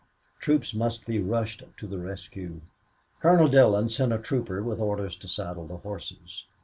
Troops must be rushed to the rescue. Colonel Dillon sent a trooper with orders to saddle the horses.